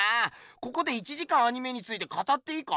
ここで１時間アニメについて語っていいか？